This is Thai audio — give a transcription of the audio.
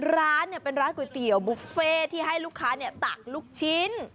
ร้านเป็นร้านก๋วยเตี๋ยวบุฟเฟ่ที่ให้ลูกค้าตักลูกชิ้น